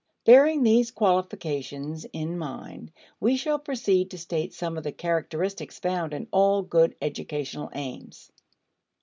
Bearing these qualifications in mind, we shall proceed to state some of the characteristics found in all good educational aims.